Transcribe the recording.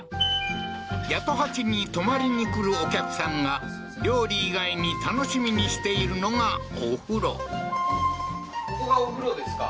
八十八に泊まりにくるお客さんが料理以外に楽しみにしているのがここがお風呂ですか？